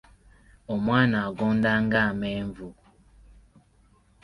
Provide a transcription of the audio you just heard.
Omwana agonda nga Amenvu.